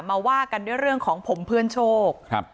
มาว่ากันด้วยเรื่องของผมเพื่อนโชค